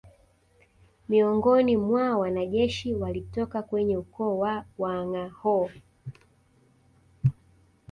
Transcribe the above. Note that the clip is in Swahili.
Miongoni mwa wanajeshi walitoka kwenye ukoo wa Wangâhoo